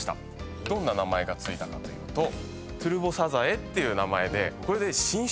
どんな名前が付いたかというとＴｕｒｂｏｓａｚａｅっていう名前でこれで。